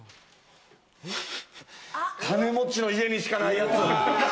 金持ちの家にしかないやつ。